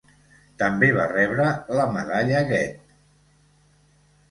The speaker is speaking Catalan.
També va rebre la Medalla Goethe.